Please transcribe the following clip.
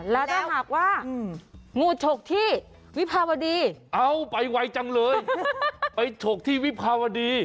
แล้วถ้าหากว่างูฉกที่วิภาวดีเอ้าไปไวจังเลยไปฉกที่วิภาวดี